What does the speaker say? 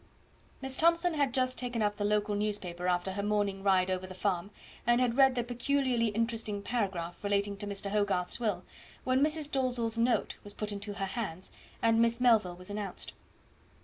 Miss Thomson had just taken up the local newspaper after her morning ride over the farm, and had read the peculiarly interesting paragraph relating to Mr. Hogarth's will, when Mrs. Dalzell's note was put into her hands, and Miss Melville was announced.